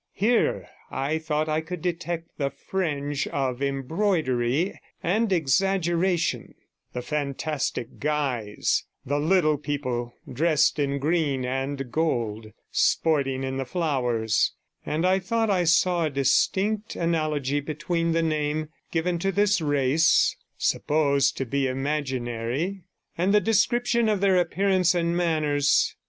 Here, I thought I could detect the fringe of embroidery and exaggeration, the fantastic guise, the little people dressed in green and gold sporting in the flowers, and I thought I saw a distinct analogy between the name given to this race (supposed to be imaginary) 72 and the description of their appearance and manners.